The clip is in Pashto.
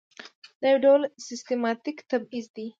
دا یو ډول سیستماتیک تبعیض دی.